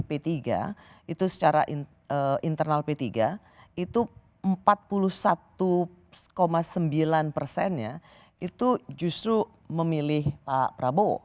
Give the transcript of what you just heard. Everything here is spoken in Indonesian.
p tiga itu secara internal p tiga itu empat puluh satu sembilan persennya itu justru memilih pak prabowo